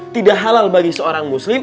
tidak halal bagi seorang muslim